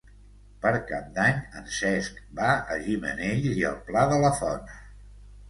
Per Cap d'Any en Cesc va a Gimenells i el Pla de la Font.